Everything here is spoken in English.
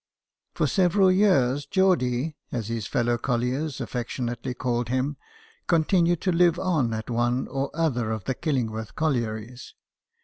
For several years Geordie, as his fellow col liers affectionately called him, continued to live on at one or other of the Killingworth collieries.